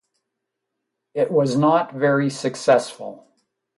It was not very successful.